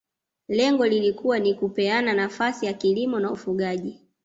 Lengo lilikuwa ni kupeana nafasi ya kilimo na ufugaji